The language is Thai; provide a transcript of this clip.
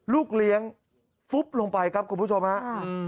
ลูกเหลียงฟุ๊บลงไปครับคุณผู้ชมครับ